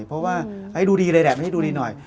เพราะว่าให้ดูดีเลยแดมให้ดูดีหน่อย